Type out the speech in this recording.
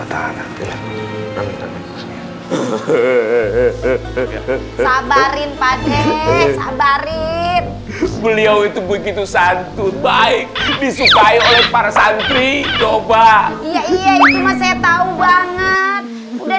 sabarin patek sabarin beliau itu begitu santun baik disukai oleh para santri coba tahu banget udah